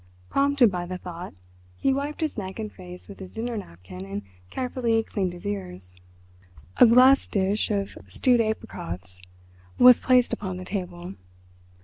Prompted by the thought, he wiped his neck and face with his dinner napkin and carefully cleaned his ears. A glass dish of stewed apricots was placed upon the table.